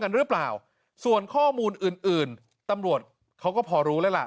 หรือเปล่าส่วนข้อมูลอื่นอื่นตำรวจเขาก็พอรู้แล้วล่ะ